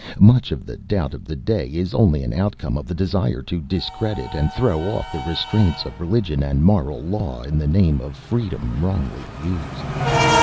Much of the doubt of the day is only an outcome of the desire to discredit and throw off the restraints of religion and moral law in the name of freedom, wrongly used.